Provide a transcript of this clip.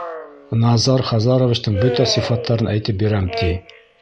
Назар Хазаровичтың бөтә сифаттарын әйтеп бирәм, ти.